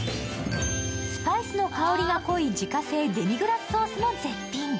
スパイスの香りが濃い自家製デミグラスソースも絶品。